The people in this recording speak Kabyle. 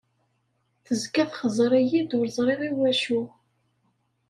Tezga txeẓẓer-iyi-d, ur ẓriɣ iwacu!